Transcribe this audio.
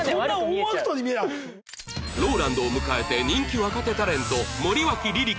ＲＯＬＡＮＤ を迎えて人気若手タレント森脇梨々